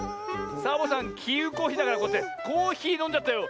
サボさんきうこひだからこうやってコーヒーのんじゃったよ。